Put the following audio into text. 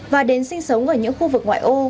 và đến sinh sống ở những khu vực ngoại ô